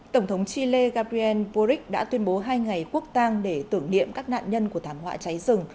tổng thống chile gabriel boric đã tuyên bố hai ngày quốc tang để tưởng niệm các nạn nhân của thảm họa cháy rừng